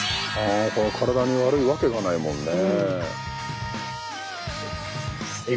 体に悪いわけがないもんね。